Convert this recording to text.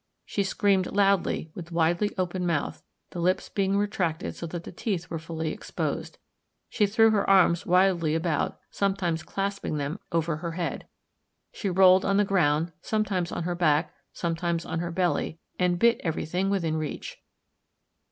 She screamed loudly with widely open mouth, the lips being retracted so that the teeth were fully exposed. She threw her arms wildly about, sometimes clasping them over her head. She rolled on the ground, sometimes on her back, sometimes on her belly, and bit everything within reach.